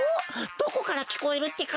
どこからきこえるってか？